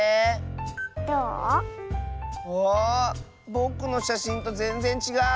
ぼくのしゃしんとぜんぜんちがう！